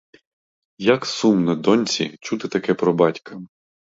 Як сумно доньці чути таке про батька.